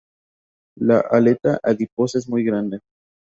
La aleta adiposa es muy grande.